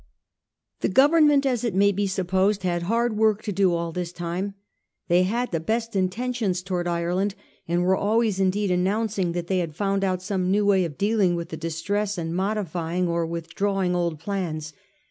The Government, as it may be supposed, had hard work to do all this time. They had the best inten tions towards Ireland, and were always indeed an nouncing that they had found out some new way of dealing with the distress, and modifying or withdraw 1847. THE HUSH RAILWAY LOAN. 425 ing old plans.